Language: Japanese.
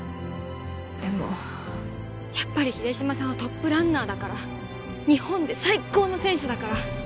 でもやっぱり秀島さんはトップランナーだから日本で最高の選手だから